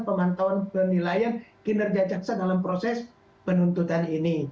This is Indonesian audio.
pemantauan penilaian kinerja jaksa dalam proses penuntutan ini